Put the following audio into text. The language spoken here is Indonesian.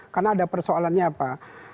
karena ada persoalannya apa